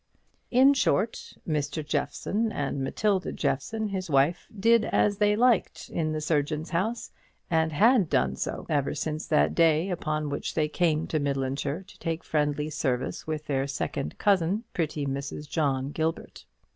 In short, Mr. Jeffson and Matilda Jeffson his wife did as they liked in the surgeon's house, and had done so ever since that day upon which they came to Midlandshire to take friendly service with their second cousin, pretty Mrs. John Gilbert.